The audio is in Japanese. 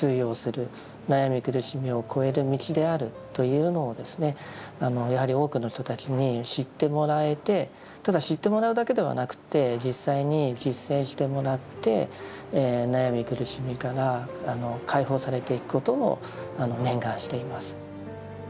苦しみをこえる道であるというのをやはり多くの人たちに知ってもらえてただ知ってもらうだけではなくて実際に実践してもらって悩み苦しみから解放されていくことを念願しています。